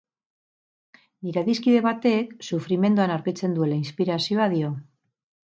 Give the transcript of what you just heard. Nire adiskide batek sufrimenduan aurkitzen duela inspirazioa dio.